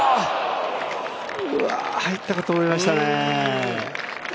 うわ、入ったかと思いましたね。